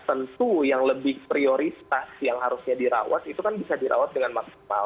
tentu yang lebih prioritas yang harusnya dirawat itu kan bisa dirawat dengan maksimal